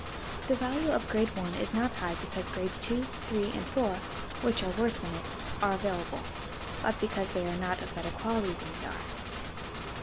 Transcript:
The value of grade one is not high because grades two, three, and four, which are worse than it, are available, but because they are not of better quality than they are.